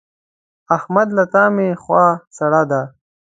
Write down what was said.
احمد له تا مې خوا سړه ده.